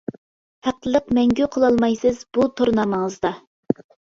ھەقلىق مەڭگۈ قىلالمايسىز بۇ تور نامىڭىزدا.